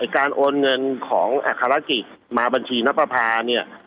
การโอนเงินของอัฆราภิกษ์มาบัญชีนัพพาพาเนี่ย